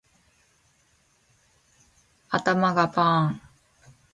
頭がパーン